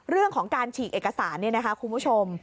เรื่องของการฉีกเอกสารเนี่ยนะคะคุณผู้ชม